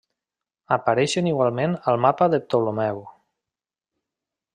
Apareixen igualment al mapa de Ptolemeu.